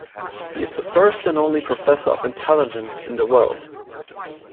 He is the first and only Professor of Intelligence in the world.